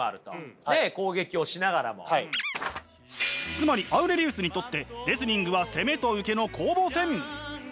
つまりアウレリウスにとってレスリングは攻めと受けの攻防戦。